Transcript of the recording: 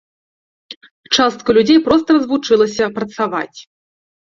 Частка людзей проста развучылася працаваць.